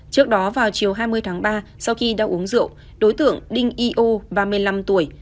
trước đó vào chiều hai mươi tháng ba sau khi đang uống rượu đối tượng đinh yo ba mươi năm tuổi